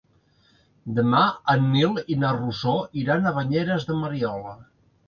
Demà en Nil i na Rosó iran a Banyeres de Mariola.